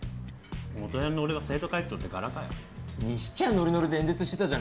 元ヤンの俺が生徒会長って柄かよ。にしちゃあノリノリで演説してたじゃねえかよ。